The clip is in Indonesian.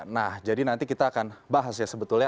nah jadi nanti kita akan bahas ya sebetulnya